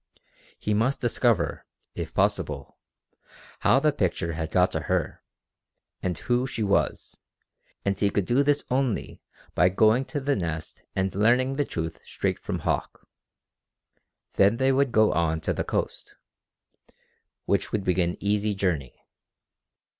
He must discover, if possible, how the picture had got to her, and who she was, and he could do this only by going to the Nest and learning the truth straight from Hauck. Then they would go on to the coast, which would be an easy journey.